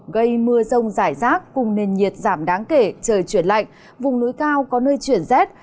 gây mưa rông rải rác cùng nền nhiệt giảm đáng kể trời chuyển lạnh vùng núi cao có nơi chuyển rét